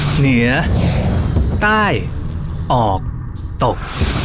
เหนือใต้ออกตก